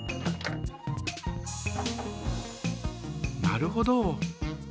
なるほど。